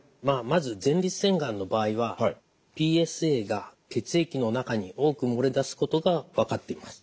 まず前立腺がんの場合はＰＳＡが血液の中に多く漏れ出すことが分かっています。